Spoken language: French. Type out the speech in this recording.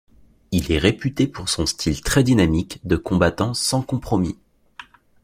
Il est réputé pour son style très dynamique de combattant sans compromis.